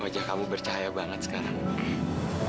wajah kamu bercahaya banget sekarang